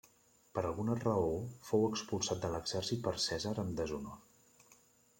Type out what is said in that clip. Per alguna raó fou expulsat de l'exèrcit per Cèsar, amb deshonor.